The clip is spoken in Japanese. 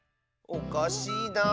おかしいなあ。